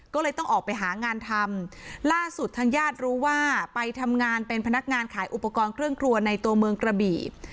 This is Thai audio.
ก็เลยต้องออกไปหางานทำล่าสุดทางญาติรู้ว่าไปทำงานเป็นพนักงานขายอุปกรณ์เครื่องครัวในตัวเมืองกระบี่